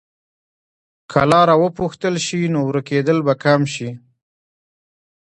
که لاره وپوښتل شي، نو ورکېدل به کم شي.